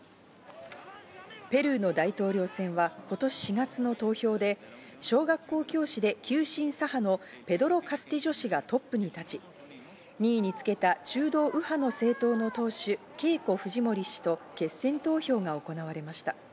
ペルーの大統領選は今年４月の投票で、小学校教師で急進左派のペドロ・カスティジョ氏がトップに立ち、２位につけた中道右派の政党の党首、ケイコ・フジモリ氏と決選投票が行われました。